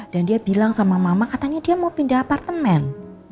dan dia bilang sama mama katanya dia mau pindah apartemen